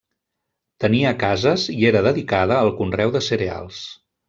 Tenia cases i era dedicada al conreu de cereals.